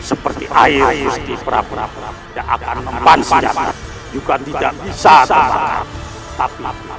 seperti air bukti prabu daakan tempat senjata juga tidak bisa terbatas